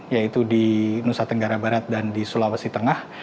yaitu di nusa tenggara barat dan di sulawesi tengah